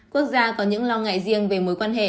quốc gia có những lo ngại riêng về mối quan hệ